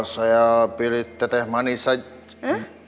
saya pilih teh manis aja